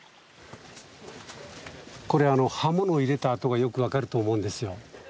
これ刃物入れた痕がよく分かると思うんですよ。